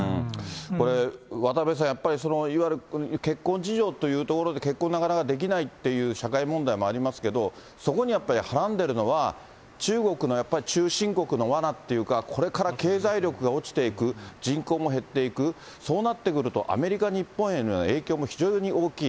これ、渡辺さん、やっぱりいわゆる結婚事情というところで、結婚なかなかできないっていう社会問題もありますけど、そこにやっぱり、はらんでいるのは、中国のやっぱり中心国のわなっていうか、これから経済力が落ちていく、人口も減っていく、そうなってくるとアメリカ、日本への影響っていうのも非常に大きい。